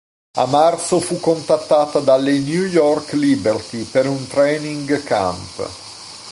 A marzo fu contattata dalle New York Liberty per un "training camp".